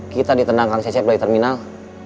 kita ditendangkan ccp dari terminal